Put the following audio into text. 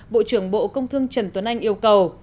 bộ trưởng bộ công thương trần tuấn anh yêu cầu